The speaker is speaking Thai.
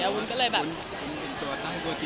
วุ้นเป็นตัวตาปกติเป็นตัวตา